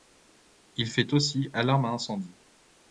Il fait aussi alarme à incendie.